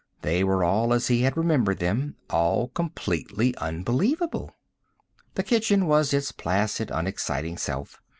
They were all as he had remembered them all completely unbelievable. The kitchen was its placid, unexciting self.